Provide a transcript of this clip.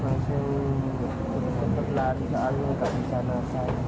masih terus kebelakang ke alim kebisana saya